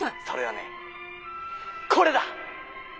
「それはねこれだ！」。